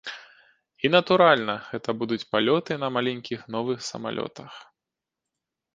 І, натуральна, гэта будуць палёты на маленькіх новых самалётах.